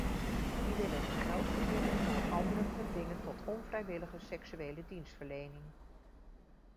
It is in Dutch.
Die willen geld verdienen door anderen te dwingen tot onvrijwillige seksuele dienstverlening.